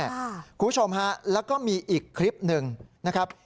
คุณผู้ชมฮะแล้วก็มีอีกคลิปหนึ่งนะครับ